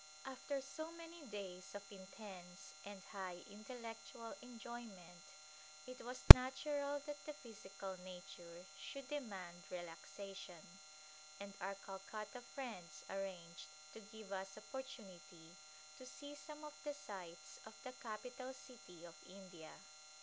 After so many days of intense and high intellectual enjoyment it was natural that the physical nature should demand relaxation, and our Calcutta friends ar ranged to give us opportunity to see some of the sights of the capital city of India.